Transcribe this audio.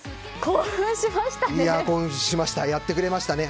興奮しましたね。